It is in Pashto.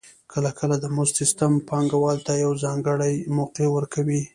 کله کله د مزد سیستم پانګوال ته یوه ځانګړې موقع ورکوي